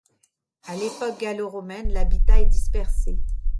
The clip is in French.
À l'époque gallo-romaine, l'habitat est dispersé.